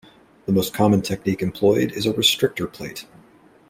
The most common technique employed is a restrictor plate.